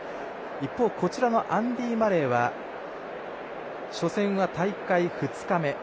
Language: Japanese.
一方、アンディ・マレーは初戦は大会２日目。